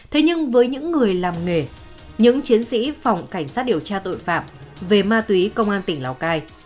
thế nhưng với những người làm nghề những chiến sĩ phòng cảnh sát điều tra tội phạm về ma túy công an tỉnh lào cai